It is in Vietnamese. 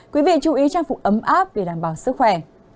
quý vị chú ý trang phục ấm áp để đảm bảo sức khỏe